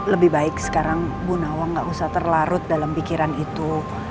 lebih baik sekarang bu nawa gak usah terlarut dalam pikiran itu